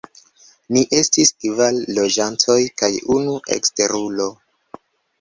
Ni estis kvar loĝantoj kaj unu eksterulo.